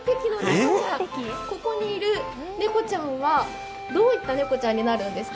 ここにいる猫ちゃんはどういった猫ちゃんになるんですか。